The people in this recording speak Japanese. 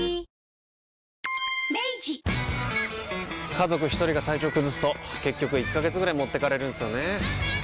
家族一人が体調崩すと結局１ヶ月ぐらい持ってかれるんすよねー。